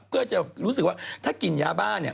ก็จะรู้สึกว่าถ้ากินยาบ้าเนี่ย